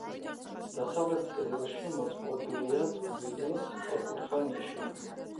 დასავლეთ კედელში მოწყობილია წყვილი, სწორკუთხა ნიშა.